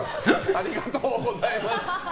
ありがとうございます。